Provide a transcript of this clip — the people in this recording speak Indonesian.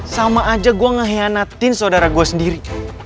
sama aja gue ngeheanatin sodara gue sendiri